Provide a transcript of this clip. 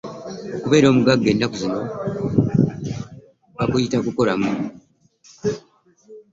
Okubeera omugagga ennaku zino bakuyita kukolamu.